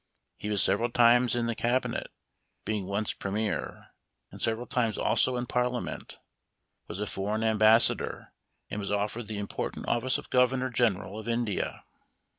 He was several times in the Cabi net, being once Premier, and several times also in Parliament, was a foreign embassador, and was offered the important office of Governor General of India.